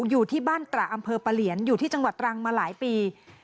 อยู่ที่บ้านตระอำเภอปะเหลียนอยู่ที่จังหวัดตรังมาหลายปี